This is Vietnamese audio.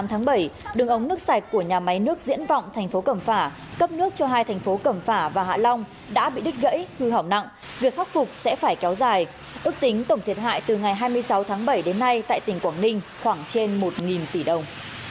hãy đăng kí cho kênh lalaschool để không bỏ lỡ những video hấp dẫn